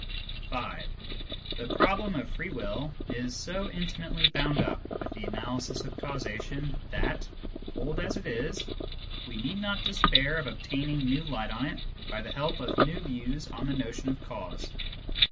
V. The problem of free will is so intimately bound up with the analysis of causation that, old as it is, we need not despair of obtaining new light on it by the help of new views on the notion of cause.